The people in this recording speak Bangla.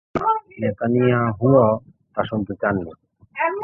ব্যাপারটা ঠিক একই রকম ছিল না, নেতানিয়াহুও তা শুনতে চাননি।